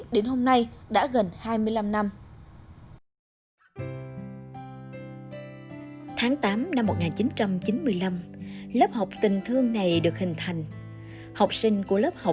đến hôm nay đã gần hai mươi năm năm